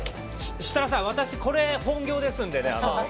設楽さん、私これが本業ですので。